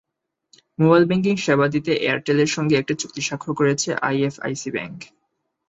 Mobile banking সেবা দিতে এয়ারটেলের সঙ্গে একটি চুক্তি স্বাক্ষর করেছে আইএফআইসি ব্যাংক।